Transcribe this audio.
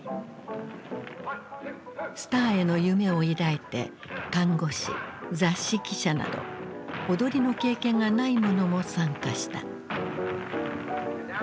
スターへの夢を抱いて看護師雑誌記者など踊りの経験がない者も参加した。